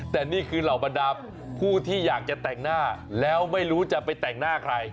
แต่นี่คือเหล่าบรรดาผู้ที่อยากจะแต่งหน้าแล้วไม่รู้จะไปแต่งหน้าใคร